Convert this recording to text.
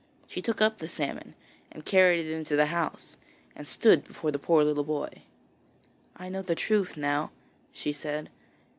She took up the salmon, and carried it into the house, and stood before the poor little boy. 'I know the truth now,' she said.